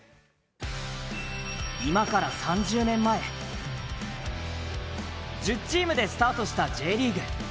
今から３０年前、１０チームでスタートしたＪリーグ。